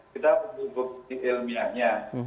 kita perlu bukti ilmiahnya